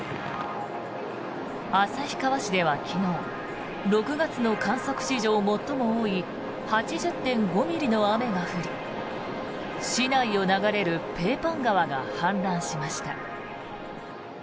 旭川市では昨日６月の観測史上最も多い８０．５ミリの雨が降り市内を流れるペーパン川が氾濫しました。